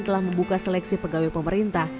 telah membuka seleksi pegawai pemerintah